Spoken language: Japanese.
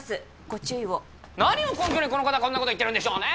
ご注意を何を根拠にこの方こんなこと言ってるんでしょうね